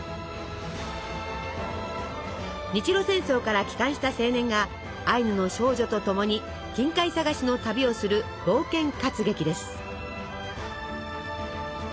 日露戦争から帰還した青年がアイヌの少女とともに金塊探しの旅をする冒険活劇です。